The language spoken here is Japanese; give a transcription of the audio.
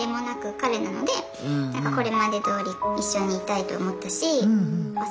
「これまでどおり一緒にいたいと思ったし」。